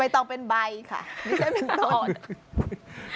ต้องเป็นใบค่ะไม่ใช่เป็นต้น